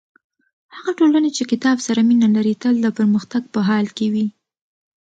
هغه ټولنه چې کتاب سره مینه لري تل د پرمختګ په حال کې وي.